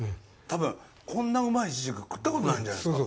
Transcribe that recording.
多分、こんなうまいイチジク食ったことないんじゃないですか。